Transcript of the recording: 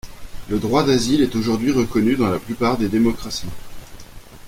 Le droit d'asile est aujourd'hui reconnu dans la plupart des démocraties.